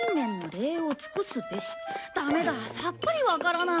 ダメださっぱりわからない。